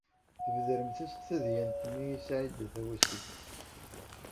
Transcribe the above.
Tbedremt-as-d tadyant-nni i Saɛida Tawasift.